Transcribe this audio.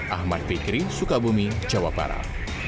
ahmad fikri sukabumi jawa barat